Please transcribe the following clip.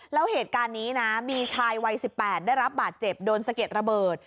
แล้วเหตุการณ์นี้นะมีชายวัย๑๘ได้รับบาดเจ็บโดนสะเก็ดระเบิด